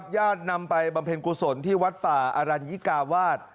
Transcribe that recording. ญาตินำไปบำเพ็ญกุศลที่วัดป่าอรัญญิกาวาส